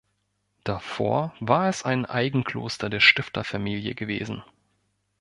Davor war es ein Eigenkloster der Stifterfamilie gewesen.